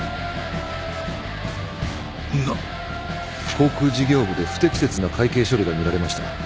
航空事業部で不適切な会計処理が見られました。